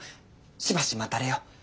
しばし待たれよ。